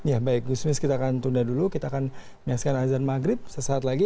ya baik gusmis kita akan tunda dulu kita akan menyaksikan azan maghrib sesaat lagi